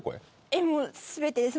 えっもう全てです